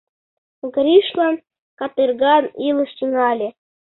Гришлан катырган илыш тӱҥале.